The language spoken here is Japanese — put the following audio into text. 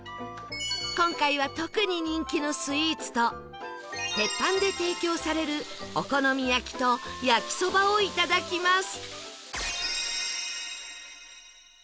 今回は特に人気のスイーツと鉄板で提供されるお好み焼きと焼きそばをいただきます